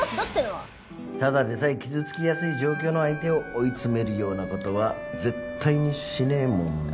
ただでさえ傷つきやすい状況の相手を追い詰めるような事は絶対にしねえもんな。